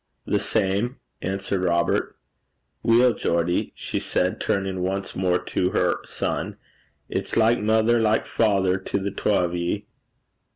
'The same,' answered Robert. 'Well, Geordie,' she said, turning once more to her son, 'it's like mither, like father to the twa o' ye.'